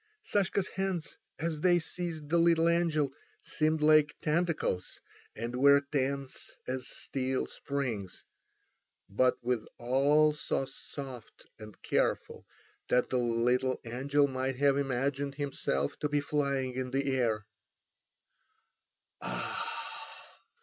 Sashka's hands as they seized the little angel seemed like tentacles, and were tense as steel springs, but withal so soft and careful that the little angel might have imagined himself to be flying in the air.